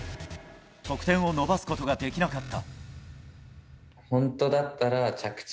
得点を伸ばすことができなかった。